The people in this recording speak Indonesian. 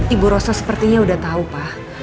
ibu rosa sepertinya udah tau pa